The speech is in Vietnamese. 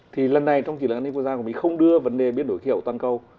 thì lần này trong chiến lược an ninh quốc gia của mỹ không đưa vấn đề biến đổi khí hậu toàn cầu